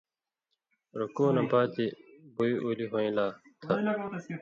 رُکوع نہ پاتی بُوئ اُولی ہُوئیں لا تھہ۔